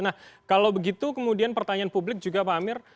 nah kalau begitu kemudian pertanyaan publik juga pak amir